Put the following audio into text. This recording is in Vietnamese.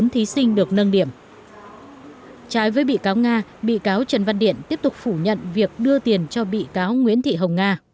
trái với bị cáo nga bị cáo trần văn điện tiếp tục phủ nhận việc đưa tiền cho bị cáo nguyễn thị hồng nga